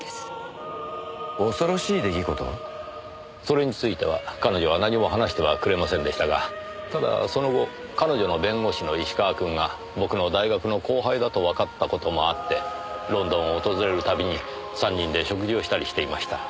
それについては彼女は何も話してはくれませんでしたがただその後彼女の弁護士の石川くんが僕の大学の後輩だとわかった事もあってロンドンを訪れる度に３人で食事をしたりしていました。